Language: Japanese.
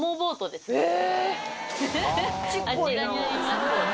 あちらにあります。